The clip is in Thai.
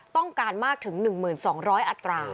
ต้องการมากถึง๑๒๐๐อัตรา